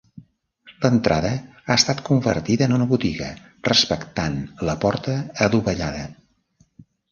L'entrada ha estat convertida en una botiga, respectant la porta adovellada.